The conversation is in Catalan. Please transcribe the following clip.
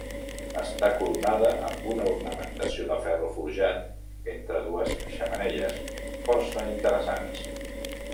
Està coronada amb una ornamentació de ferro forjat entre dues xemeneies, força interessants.